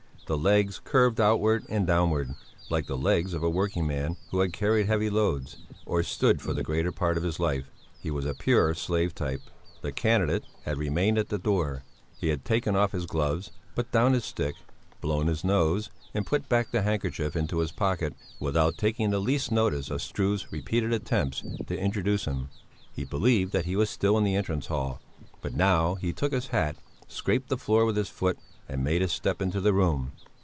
The legs curved outward and downward, like the legs of a working man who has carried heavy loads, or stood for the greater part of his life. He was a pure slave type. The candidate had remained at the door; he had taken off his gloves, put down his stick, blown his nose, and put back the handkerchief into his pocket without taking the least notice of Struve's repeated attempts to introduce him; he believed that he was still in the entrance hall; but now he took his hat, scraped the floor with his foot and made a step into the room.